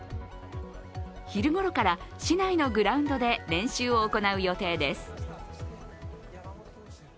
昼ごろから市内のグラウンドで練習を行う予定です。